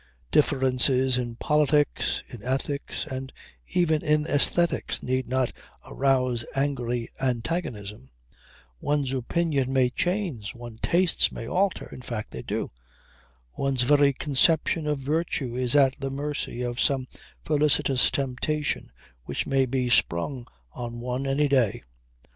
Differences in politics, in ethics and even in aesthetics need not arouse angry antagonism. One's opinion may change; one's tastes may alter in fact they do. One's very conception of virtue is at the mercy of some felicitous temptation which may be sprung on one any day.